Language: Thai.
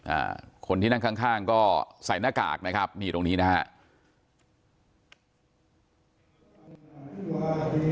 อ่าคนที่นั่งข้างข้างก็ใส่หน้ากากนะครับนี่ตรงนี้นะฮะ